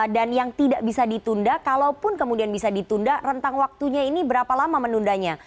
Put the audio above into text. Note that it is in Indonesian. dan yang tidak bisa ditunda kalaupun kemudian bisa ditunda rentang waktunya ini berapa lama menundanya